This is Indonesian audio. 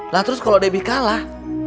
lha terus kalo debi kalah